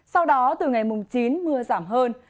sau đó từ ngày mùng chín mưa giảm hơn